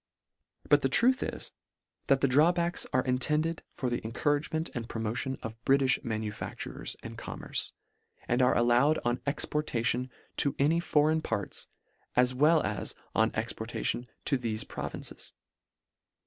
But the truth is, that the draw backs are intended for the encourage ment and promotion of Britilh manufactures and commerce, and are allowed on exporta tion to any foreign parts, as well as on ex portation to thefe provinces.